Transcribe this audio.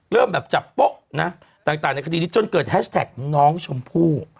เริ่มแบบจับโป๊ะนะต่างในคดีนี้จนเกิดแฮชแท็กน้องชมพู่